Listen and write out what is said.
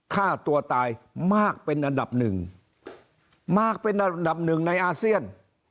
ฆ่าตัวตายมากเป็นอันดับหนึ่งมากเป็นอันดับหนึ่งในอาเซียน